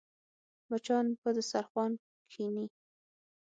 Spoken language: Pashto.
مچان پر دسترخوان کښېني